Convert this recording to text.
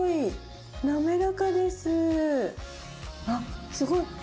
あっすごい。